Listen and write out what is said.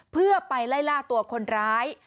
เพื่อไปไล่ล่าตัวคนร้าย